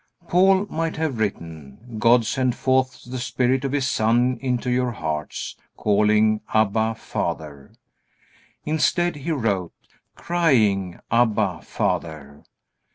Paul might have written, "God sent forth the Spirit of his Son into your hearts, calling Abba, Father." Instead, he wrote, "Crying, Abba, Father."